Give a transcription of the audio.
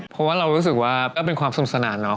เพราะว่าเรารู้สึกว่าก็เป็นความสนุกสนานเนาะ